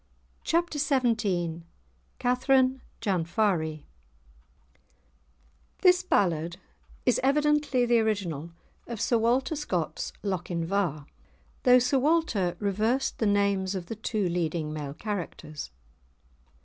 *Chapter XVII* *Katharine Janfarie* This ballad is evidently the original of Sir Walter Scott's "Lochinvar," though Sir Walter reversed the names of the two leading male characters.